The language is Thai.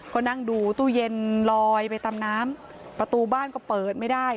ก็นั่งดูตู้เย็นลอยไปตามน้ำประตูบ้านก็เปิดไม่ได้